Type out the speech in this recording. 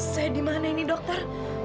saya di mana ini dokter